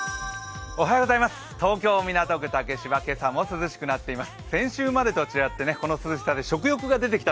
東京・港区竹芝、今朝も涼しくなっています。